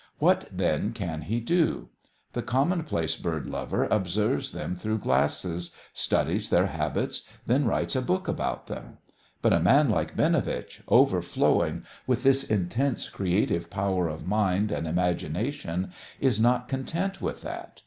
What, then, can he do? The commonplace bird lover observes them through glasses, studies their habits, then writes a book about them. But a man like Binovitch, overflowing with this intense creative power of mind and imagination, is not content with that.